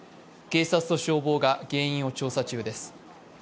警察と消防が原因を調査中です。